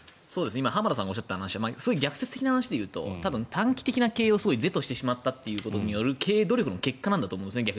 今浜田さんがおっしゃった話は逆説的な話で言うと短期的な経営を是としてしまったことによる経営努力の結果なんだと思います。